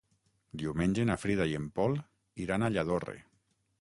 Diumenge na Frida i en Pol iran a Lladorre.